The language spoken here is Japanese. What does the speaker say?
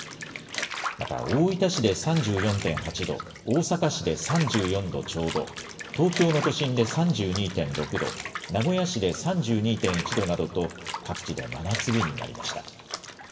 また大分市で３４．８度、大阪市で３４度ちょうど、東京都の都心で３２．６度、名古屋市で３２．１度などと、各地で真夏日になりました。